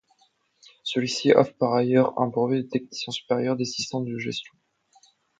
Celui-ci offre par ailleurs un brevet de technicien supérieur d’assistant de gestion.